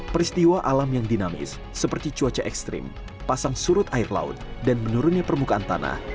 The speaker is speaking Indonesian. peristiwa alam yang dinamis seperti cuaca ekstrim pasang surut air laut dan menurunnya permukaan tanah